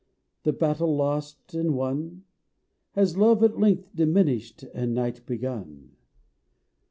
The battle lost, and won? Has love at length diminished And night begun?